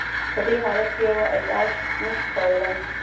په دې حالت کې یوه ادعا نشو کولای.